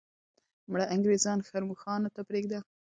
مړه انګریزان ښرموښانو ته پرېږده.